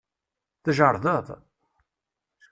Tjerrdeḍ?